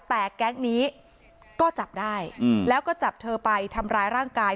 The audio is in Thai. แต่แก๊งนี้ก็จับได้แล้วก็จับเธอไปทำร้ายร่างกาย